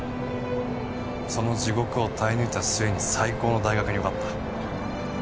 その地獄を耐え抜いた末に最高の大学に受かった。